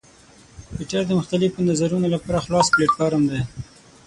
ټویټر د مختلفو نظرونو لپاره خلاص پلیټفارم دی.